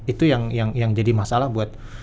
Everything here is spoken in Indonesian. itu yang jadi masalah buat